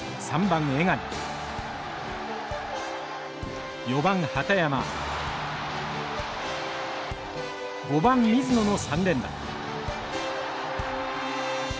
３番江上４番畠山５番水野の３連打。